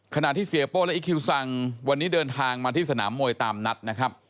ขณะที่เสียโป้และอีคิวซังวันนี้เดินทางมาที่สนามมวยตามนัดนะครับ